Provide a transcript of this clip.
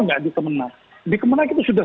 nggak di kemenang di kemenang kita sudah